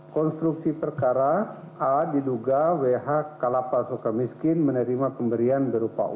konstruksi perkara a diduga wh kalapa sukamiskin menerima pemberian berupa umkm